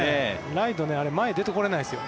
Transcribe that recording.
ライト、あれ前に出てこれないですよ。